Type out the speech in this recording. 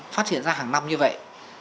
phát hiện ra hàng năm như vậy